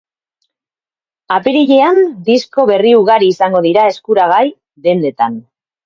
Apirilean disko berri ugari izango dira eskuragai dendetan.